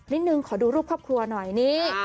นิดนึงขอดูรูปครอบครัวหน่อยนี่